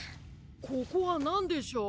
ここはなんでしょう。